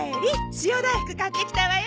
塩大福買ってきたわよ。